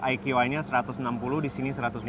iqi nya satu ratus enam puluh di sini satu ratus lima puluh